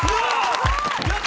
やった！